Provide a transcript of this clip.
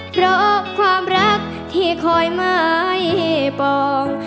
เพราะความรักที่คอยไม่ปอง